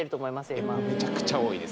今今めちゃくちゃ多いです